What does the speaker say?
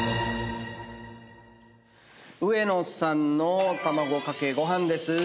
上野さんのたまごかけごはんです。